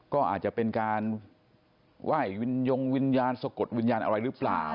ก็อาจจะเป็นการไหว้วินยงวิญญาณสะกดวิญญาณอะไรหรือเปล่า